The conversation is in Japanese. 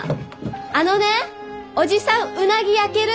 あのねおじさん鰻焼ける？